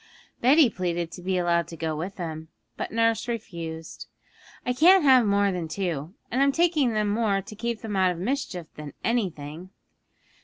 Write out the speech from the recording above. Betty pleaded to be allowed to go with them, but nurse refused. 'I can't have more than two; and I'm taking them more to keep them out of mischief than anything.